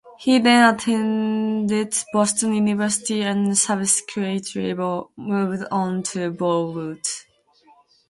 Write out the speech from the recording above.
He then attended Boston University, and subsequently moved on to Bollywood.